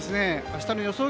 明日の予想